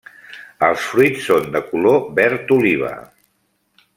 Els fruits són de color verd oliva.